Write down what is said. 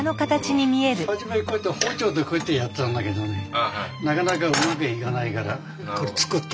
初めこうやって包丁でこうやってやってたんだけどねなかなかうまくいかないからこれ作った。